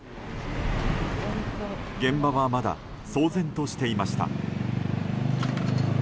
現場はまだ騒然としていました。